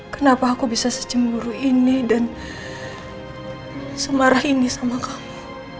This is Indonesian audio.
kenapa aku bisa secemburu ini dan semarah ini sama kamu